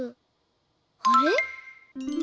あれ？